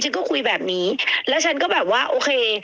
ฉันก็คุยแบบนี้แล้วฉันก็แบบว่าโอเค